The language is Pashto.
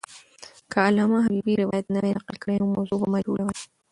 که علامه حبیبي روایت نه وای نقل کړی، نو موضوع به مجهوله وای.